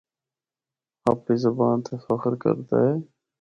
آپڑی زبان تے فخر کردا اے۔